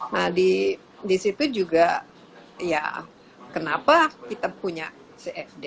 nah disitu juga ya kenapa kita punya cfd